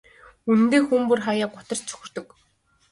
Үнэндээ хүн бүр хааяа гутарч цөхөрдөг.